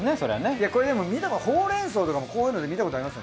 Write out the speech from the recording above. いやこれでもほうれんそうとかもこういうので見たことあります。